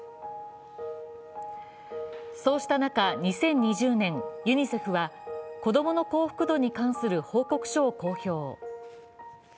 そうした中、２０２０年、ユニセフは子供の幸福度に関する報告書を公表。